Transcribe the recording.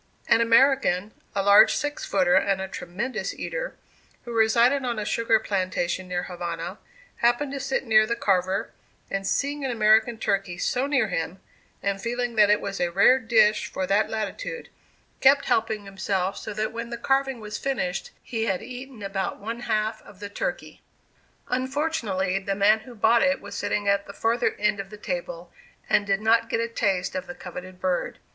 An American, (a large six footer and a tremendous eater,) who resided on a sugar plantation near Havana, happened to sit near the carver, and seeing an American turkey so near him, and feeling that it was a rare dish for that latitude, kept helping himself, so that when the carving was finished, he had eaten about one half of the turkey. Unfortunately the man who bought it was sitting at the further end of the table, and did not get a taste of the coveted bird.